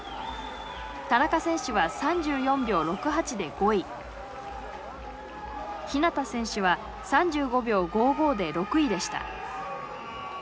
田中選手は３４秒６８で５位日向選手は３５秒５５で６位でした。